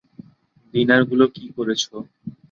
দিনারগুলো কী করেছো?